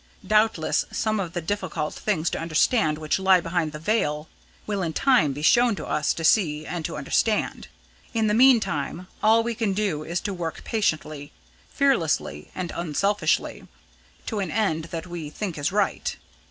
Doubtless some of the difficult things to understand which lie behind the veil will in time be shown to us to see and to understand. In the meantime, all we can do is to work patiently, fearlessly, and unselfishly, to an end that we think is right.